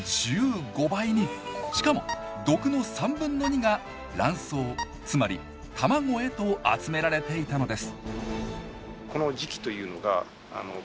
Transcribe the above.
しかも毒の３分の２が卵巣つまり卵へと集められていたのです